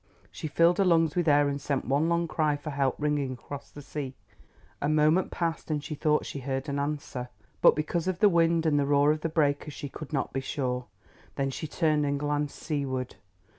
She filled her lungs with air and sent one long cry for help ringing across the sea. A moment passed and she thought that she heard an answer, but because of the wind and the roar of the breakers she could not be sure. Then she turned and glanced seaward.